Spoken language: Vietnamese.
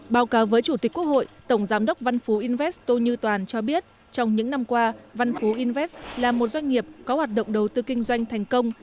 báo cáo với chủ tịch quốc hội tổng giám đốc văn phú invest tô như toàn cho biết trong những năm qua văn phú invest là một doanh nghiệp có hoạt động đầu tư kinh doanh thành công